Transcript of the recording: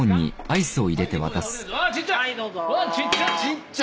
「ちっちゃ！」